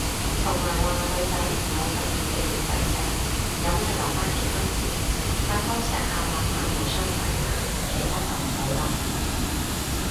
同埋話女仔唔好咁易俾條仔食，有咩留返結婚先，拍拖錫下攬下無傷大雅，其他就唔好嘞